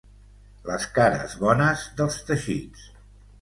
Les cares bones dels teixits.